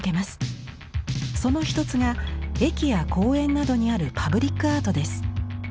その一つが駅や公園などにあるパブリックアートです。